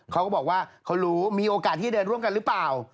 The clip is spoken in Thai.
เขาก็บอกว่าเขารู้มีโอกาสที่เดินร่วมกันหรือเปล่า